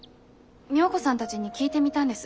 みよ子さんたちに聞いてみたんです。